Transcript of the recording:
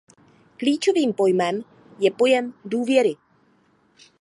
Klíčovým pojmem je pojem důvěry.